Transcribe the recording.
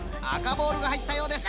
ボールがはいったようです。